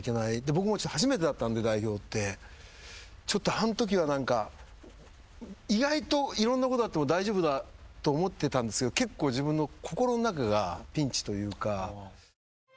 僕も初めてだったんで代表ってあのときは何か意外といろんなことあっても大丈夫だと思ってたんですけど結構自分の心の中がピンチというか。